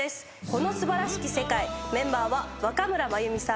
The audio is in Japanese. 『この素晴らしき世界』メンバーは若村麻由美さん。